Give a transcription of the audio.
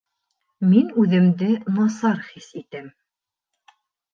Мин үҙемде касар хис итәм